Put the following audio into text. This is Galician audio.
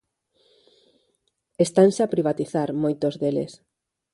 Estanse a privatizar moitos deles.